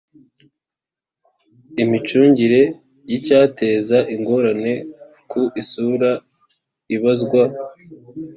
Imicungire y icyateza ingorane ku isura ibazwa